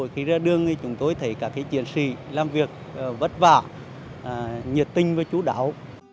khi ra đường thì chúng tôi thấy các chiến sĩ làm việc vất vả nhiệt tinh và chú đạo